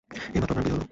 এইমাত্র আপনার বিয়ে হলো।